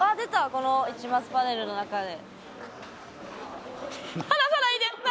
この市松パネルの中で」